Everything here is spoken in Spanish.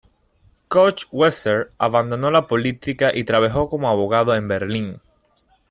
Koch-Weser abandonó la política y trabajó como abogado en Berlín.